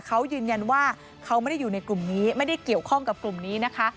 เขายืนยันว่าเขาไม่ได้อยู่ในกลุ่มนี้ไม่ได้เกี่ยวข้องกับกลุ่มนี้นะคะ